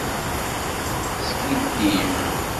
Teskiddib.